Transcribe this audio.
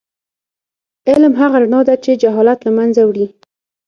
علم هغه رڼا ده چې جهالت له منځه وړي.